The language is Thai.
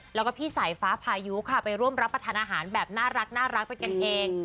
แล้วก็พี่สายฟ้าพายุค่ะไปร่วมรับประทานอาหารแบบน่ารักเป็นกันเอง